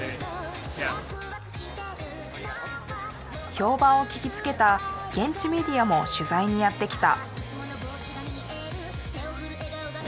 評判を聞きつけた現地メディアも取材にやって来た。